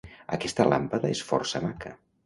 Aquesta làmpada és força maca.